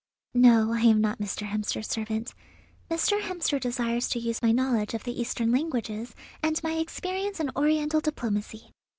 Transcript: "No, I am not Mr. Hemster's servant. Mr. Hemster desires to use my knowledge of the Eastern languages and my experience in Oriental diplomacy.